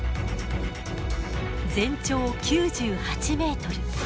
全長９８メートル。